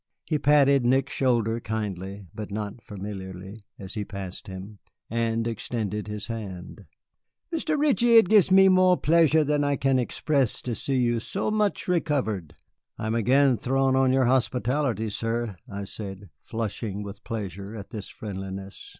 He patted Nick's shoulder kindly, but not familiarly, as he passed him, and extended his hand. "Mr. Ritchie, it gives me more pleasure than I can express to see you so much recovered." "I am again thrown on your hospitality, sir," I said, flushing with pleasure at this friendliness.